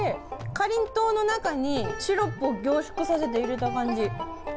かりんとうの中にシロップを凝縮させて入れた感じ。